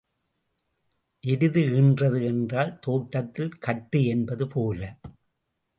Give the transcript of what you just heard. எருது ஈன்றது என்றால் தோட்டத்திலே கட்டு என்பது போல.